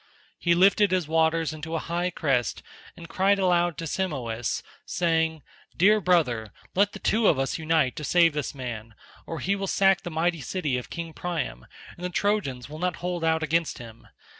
He lifted his waters into a high crest and cried aloud to Simois saying, "Dear brother, let the two of us unite to save this man, or he will sack the mighty city of King Priam, and the Trojans will not hold out against him.